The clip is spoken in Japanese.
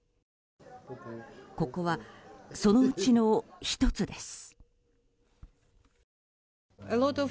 ここは、そのうちの１つです。